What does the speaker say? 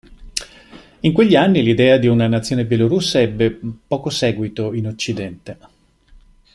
In quegli anni l'idea di una nazione bielorussa ebbe poco seguito in occidente.